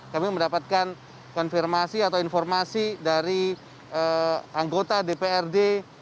kami mendapatkan konfirmasi atau informasi dari anggota dprd